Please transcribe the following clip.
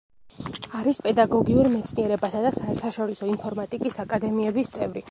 არის პედაგოგიურ მეცნიერებათა და საერთაშორისო ინფორმატიკის აკადემიების წევრი.